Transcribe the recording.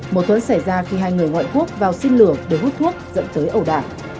một thuẫn xảy ra khi hai người ngoại quốc vào xin lửa để hút thuốc dẫn tới ẩu đạn